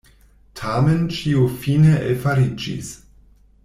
Tamen ĉio fine elfariĝis.